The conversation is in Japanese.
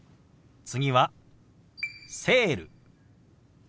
次は「セール」。